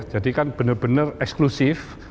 jadi kan benar benar eksklusif